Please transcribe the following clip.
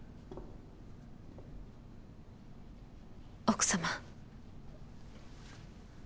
奥様。